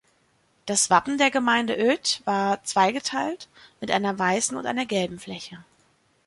Das Wappen der Gemeinde Oedt war zweigeteilt, mit einer weißen und einer gelben Fläche.